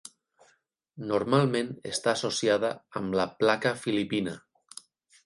Normalment està associada amb la placa filipina.